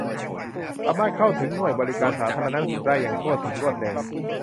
สามารถเข้าถึงหน่วยบริการสาธารณสุขได้อย่างทั่วถึง รวดเร็ว